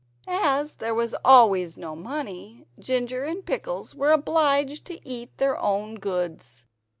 As there was always no money, Ginger and Pickles were obliged to eat their own goods.